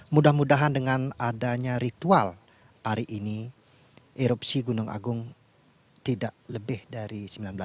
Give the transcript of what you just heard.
mudah mudahan dengan adanya ritual hari ini erupsi gunung agung tidak lebih dari seribu sembilan ratus enam puluh